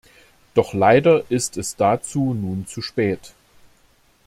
Doch leider ist es dazu nun zu spät.